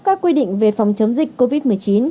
các quy định về phòng chống dịch covid một mươi chín